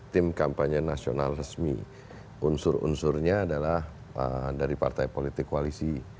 tim kampanye nasional resmi unsur unsurnya adalah dari partai politik koalisi